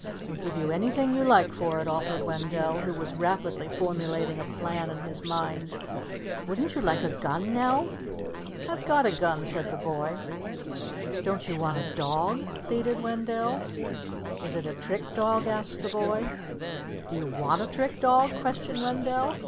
"I'll give you anything you like for it," offered Wendell, who was rapidly formulating a plan in his mind. "Wouldn't you like a gun, now?" "I've got a gun," said the boy. "Don't you want a dog?" pleaded Wendell. "Is it a trick dog?" asked the boy. "Do you want a trick dog?" questioned Wendell.